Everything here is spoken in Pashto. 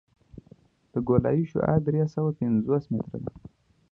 د ګولایي شعاع درې سوه پنځوس متره ده